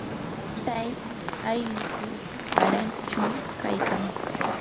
tsay allqu qarachum kaykan.